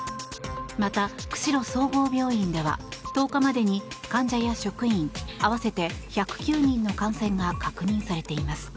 また、釧路総合病院では１０日までに患者や職員合わせて１０９人の感染が確認されています。